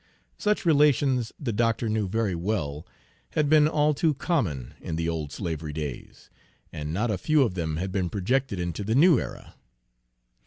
Such relations, the doctor knew very well, had been all too common in the old slavery days, and not a few of them had been projected into the new era.